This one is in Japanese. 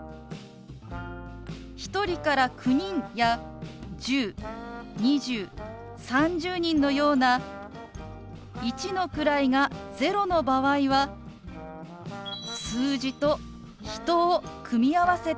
１人から９人や１０２０３０人のような一の位が０の場合は「数字」と「人」を組み合わせて表します。